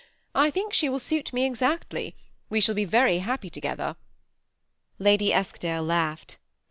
I think she will suit me exactly ; we shall be very happy together." Lady Eskdale laughed.